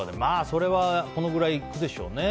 それはこのぐらいいくでしょうね。